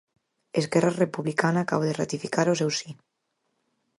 Esquerra Republicana acaba de ratificar o seu si.